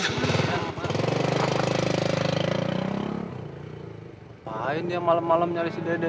ngapain dia malem malem nyari si dede